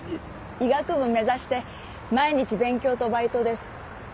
医学部目指して毎日勉強とバイトです。